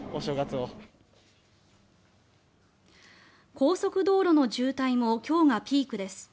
高速道路の渋滞も今日がピークです。